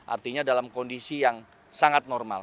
artinya dalam kondisi yang sangat normal